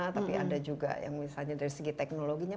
tapi ada juga yang misalnya dari segi teknologinya